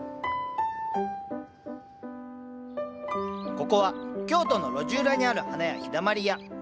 ここは京都の路地裏にある花屋「陽だまり屋」。